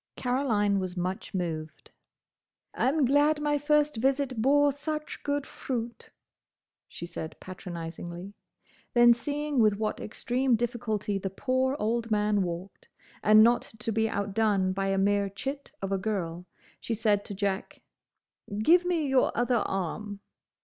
Caroline was much moved. "I'm glad my first visit bore such good fruit," she said patronisingly. Then seeing with what extreme difficulty the poor old man walked, and not to be outdone by a mere chit of a girl, she said to Jack, "Give me your other arm."